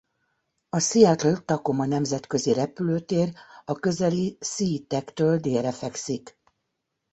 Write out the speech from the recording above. A Seattle–Tacoma nemzetközi repülőtér a közeli SeaTactől délre fekszik.